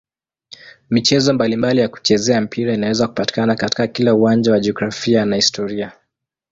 Michezo mbalimbali ya kuchezea mpira inaweza kupatikana katika kila uwanja wa jiografia na historia.